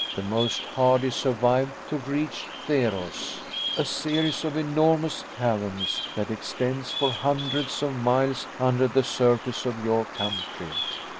The most hardy survived to reach Theros, a series of enormous caverns that extends for hundreds of miles under the surface of your country.